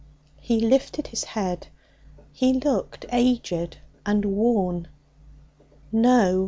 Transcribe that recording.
He lifted his head. He looked aged and worn. 'No!